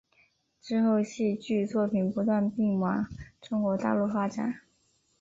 之后戏剧作品不断并往中国大陆发展。